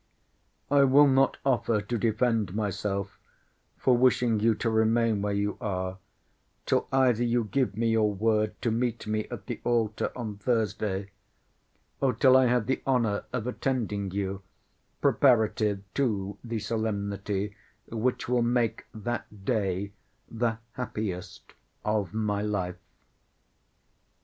I will not offer to defend myself, for wishing you to remain where you are, till either you give me your word to meet me at the altar on Thursday; or till I have the honour of attending you, preparative to the solemnity which will make that day the happiest of my life.